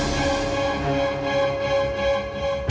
tentang kejadian pada malam itu